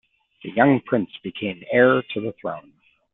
The young prince became heir to the throne.